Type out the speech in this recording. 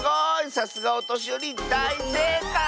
さすがおとしよりだいせいかい！